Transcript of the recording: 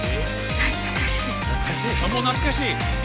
あっもう懐かしい？